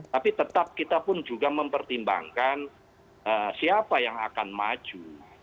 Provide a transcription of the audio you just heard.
tapi tetap kita pun juga mempertimbangkan siapa yang akan maju